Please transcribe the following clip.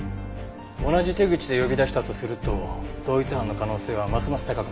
同じ手口で呼び出したとすると同一犯の可能性はますます高くなりますね。